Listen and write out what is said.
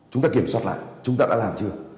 chúng ta kiểm soát lại chúng ta đã làm chưa